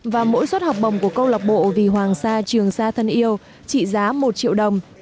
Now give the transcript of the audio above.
và mỗi suất học bồng của câu lạc bộ vì hoàng sa trường sa thân yêu trị giá một triệu đồng